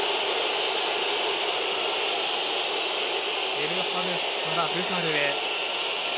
エルハヌスからブファルへ。